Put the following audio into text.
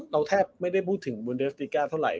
เราแทบไม่ได้พูดถึงบรูเดสติก้าเท่าไหร่